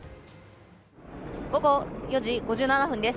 午後４時５７分です。